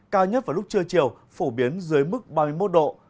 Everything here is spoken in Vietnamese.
cao nhất vào lúc trưa chiều phổ biến dưới mức ba mươi một độ